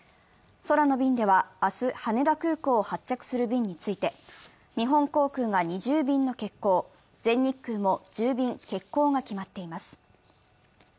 空の便では、明日羽田空港を発着する便について、日本航空が２０便の欠航、全日空も１０便、欠航が決まっています。